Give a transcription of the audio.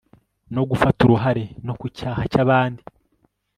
no gufata uruhare no ku cyaha cy'abandi